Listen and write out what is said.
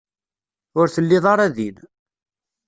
Ur telliḍ ara din.